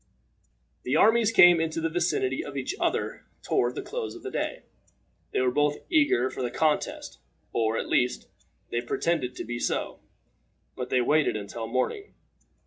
The armies came into the vicinity of each other toward the close of the day. They were both eager for the contest, or, at least, they pretended to be so, but they waited until the morning.